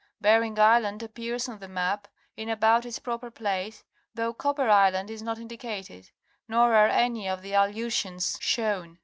Bering island appears on the map, in about its proper place, though Copper island is not indicated, nor are any of the Aleutians shown.